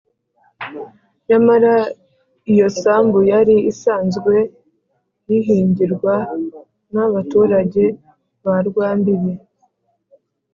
nyamara iyo sambu yari isanzwe yihingirwa n’abaturanyi ba rwambibi